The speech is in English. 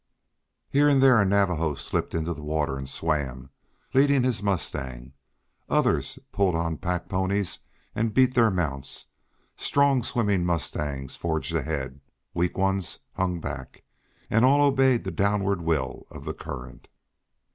Here and there a Navajo slipped into the water and swam, leading his mustang; others pulled on pack ponies and beat their mounts; strong swimming mustangs forged ahead; weak ones hung back, and all obeyed the downward will of the current.